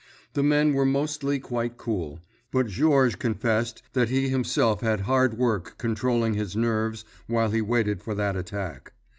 The men were mostly quite cool, but Georges confessed that he himself had hard work controlling his nerves while he waited for that attack.